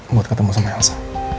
buat ketemu sama elsa